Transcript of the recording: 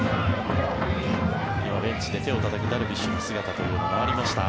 今、ベンチで手をたたくダルビッシュの姿がありました。